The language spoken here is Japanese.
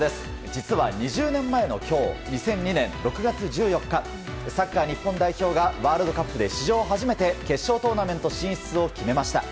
実は、２０年前の今日２００２年６月１４日サッカー日本代表がワールドカップで史上初めて決勝トーナメント進出を決めました。